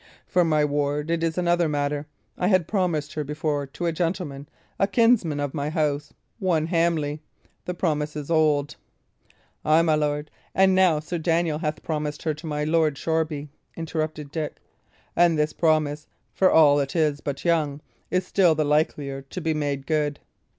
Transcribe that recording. For my ward, it is another matter; I had promised her before to a gentleman, a kinsman of my house, one Hamley; the promise is old " "Ay, my lord, and now Sir Daniel hath promised her to my Lord Shoreby," interrupted Dick. "And his promise, for all it is but young, is still the likelier to be made good."